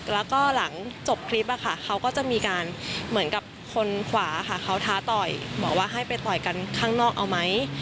แล้วก็หลังจบคลิปเขาก็จะมีการเหมือนกับคนขวาค่ะเขาท้าต่อยบอกว่าให้ไปต่อยกันข้างนอกเอาไหม